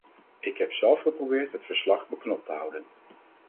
Ik heb zelf geprobeerd het verslag beknopt te houden.